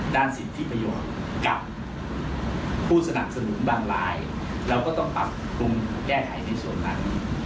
สิทธิประโยชน์กับผู้สนับสนุนบางรายเราก็ต้องปรับปรุงแก้ไขในส่วนนั้น